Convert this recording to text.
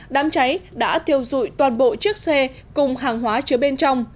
đám cháy đã thiêu dụi toàn bộ chiếc xe cùng hàng hóa chứa bên trong